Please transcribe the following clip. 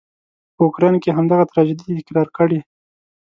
په اوکراین کې همدغه تراژيدي تکرار کړي.